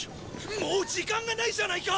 もう時間がないじゃないか！